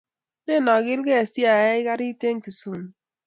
Nen akilkee siyai karit en kisumu